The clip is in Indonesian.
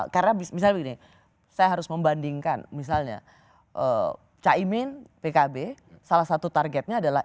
karena misalnya begini saya harus membandingkan misalnya caimin pkb salah satu targetnya adalah